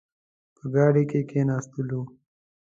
په ګاډۍ کې کښېناستلو.